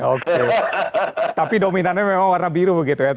oke tapi dominannya memang warna biru begitu ya